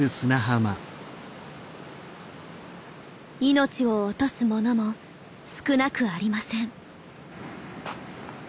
命を落とすものも少なくありません。